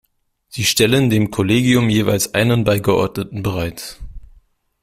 Sie stellen dem Kollegium jeweils einen Beigeordneten bereit.